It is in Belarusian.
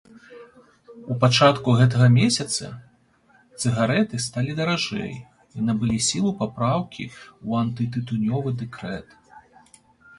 У пачатку гэтага месяца цыгарэты сталі даражэй і набылі сілу папраўкі ў антытытунёвы дэкрэт.